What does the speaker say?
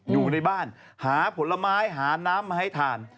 อยู่ในบ้านหาผลไม้หาน้ำมาให้ทาน